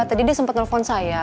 tadi dia sempat nelfon saya